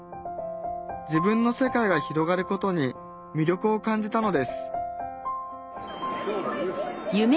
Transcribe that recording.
自分の世界が広がることに魅力を感じたのです